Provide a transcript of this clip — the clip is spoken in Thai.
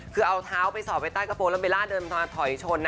คือเอาเท้าไปสอบไว้ใต้กระโปรงแล้วเบลล่าเดินถอยชน